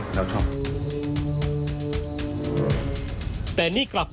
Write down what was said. แม่จะมาเรียกร้องอะไร